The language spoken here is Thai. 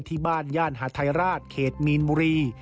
ที่บ้านย่านหาทายราชเขตมีนมุรี